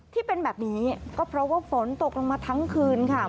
ที่เป็นแบบนี้ก็เพราะว่าฝนตกลงมาทั้งคืนค่ะ